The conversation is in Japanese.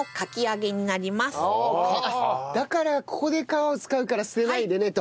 だからここで皮を使うから捨てないでねと。